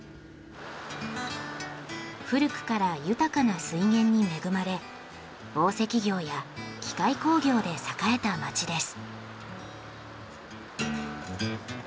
古くから豊かな水源に恵まれ紡績業や機械工業で栄えた町です。